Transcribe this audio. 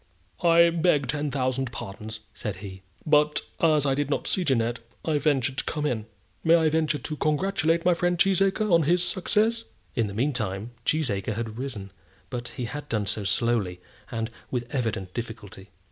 "I beg ten thousand pardons," said he, "but as I did not see Jeannette, I ventured to come in. May I venture to congratulate my friend Cheesacre on his success?" In the meantime Cheesacre had risen; but he had done so slowly, and with evident difficulty.